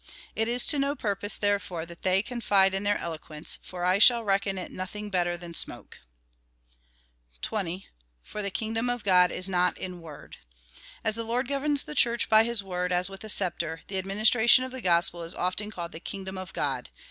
It is to no purpose, therefore, that they confide in their eloquence, for I shall reckon it nothing bet ter than smoke." 20. For the kingdom of God is not in word. As the Lord governs the Church by his word, as with a sceptre, the ad ministration of the gospel is often called the kingdom of God.